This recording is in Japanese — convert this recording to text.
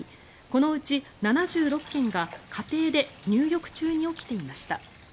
このうち７６件が家庭で入浴中に起きていました。